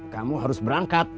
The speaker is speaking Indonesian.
kamu harus berangkat